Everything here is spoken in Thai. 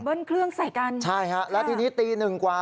เครื่องใส่กันใช่ฮะแล้วทีนี้ตีหนึ่งกว่า